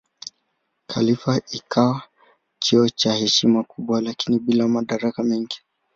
Khalifa ikawa cheo cha heshima kubwa lakini bila madaraka mengi.